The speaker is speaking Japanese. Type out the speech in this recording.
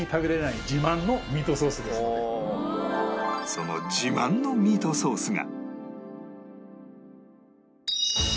その自慢のミートソースが